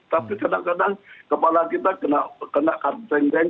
tapi kadang kadang kepala kita kena kaceng kaceng